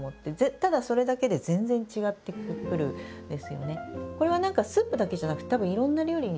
ただそれだけで全然違ってくるんですよね。